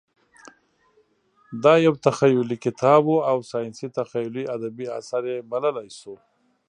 دا یو تخیلي کتاب و او ساینسي تخیلي ادبي اثر یې بللی شو.